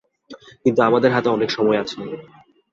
কিন্তু আমাদের হাতে অনেক সময় আছে।